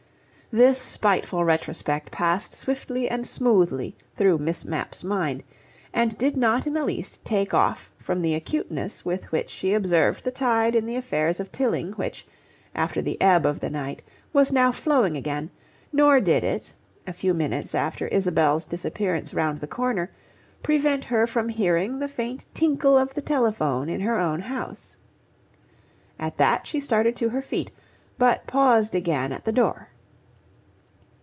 ... This spiteful retrospect passed swiftly and smoothly through Miss Mapp's mind, and did not in the least take off from the acuteness with which she observed the tide in the affairs of Tilling which, after the ebb of the night, was now flowing again, nor did it, a few minutes after Isabel's disappearance round the corner, prevent her from hearing the faint tinkle of the telephone in her own house. At that she started to her feet, but paused again at the door.